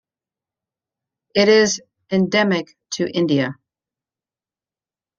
It is endemic to India.